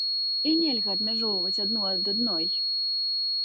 І нельга адмяжоўваць адну ад адной.